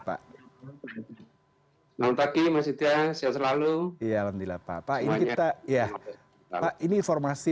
pak langsung tak ini masih dia selalu iya alhamdulillah papa ini kita ya pak ini informasi